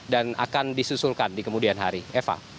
dan akan disusulkan di kemudian hari eva